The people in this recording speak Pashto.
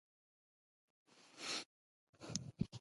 دولتي موټر شخصي کارول خیانت دی.